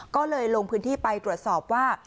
ก็เลยลงพื้นที่ไปตรวจสอบว่า